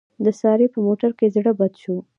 د سارې په موټر کې زړه بد شو.